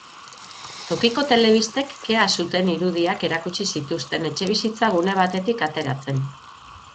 Tokiko telebistek kea zuten irudiak erakutsi zituzten etxebizitza gune batetik ateratzen.